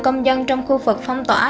công dân trong khu vực phong tỏa